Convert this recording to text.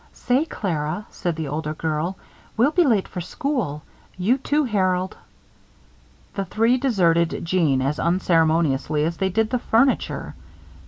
"Say, Clara," said the older girl, "we'll be late for school. You, too, Harold." The three deserted Jeanne as unceremoniously as they did the furniture.